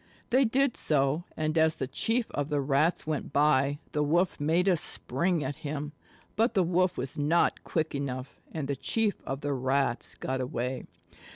They did so, and as the Chief of the Rats went by, the Wolf made a spring at him. But the Wolf was not quick enough, and the Chief of the Rats got away.